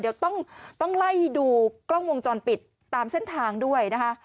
เดี๋ยวต้องไล่ดูกล้องวงจรปิดตามเส้นทางด้วยนะคะ